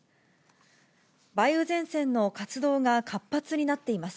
梅雨前線の活動が活発になっています。